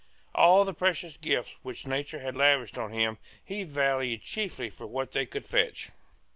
All the precious gifts which nature had lavished on him he valued chiefly for what they would fetch.